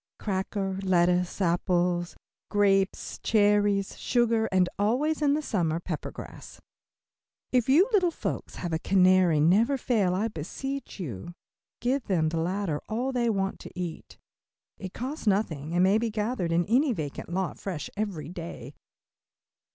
Cracker, lettuce, apples, grapes, cherries, sugar, and always in the summer, pepper grass. If you little folks have a canary never fail, I beseech you, to give them of the latter all they want to eat. It costs nothing and may be gathered in any vacant lot fresh every day.